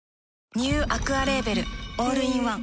ニューアクアレーベルオールインワン